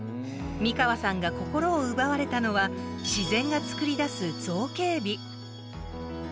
三川さんが心を奪われたのは自然がつくり出す造形美。